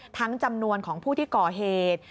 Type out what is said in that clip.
จำนวนของผู้ที่ก่อเหตุ